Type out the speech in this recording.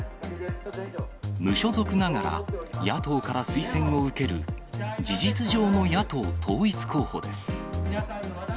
無所属ながら野党から推薦を受ける、事実上の野党統一候補です。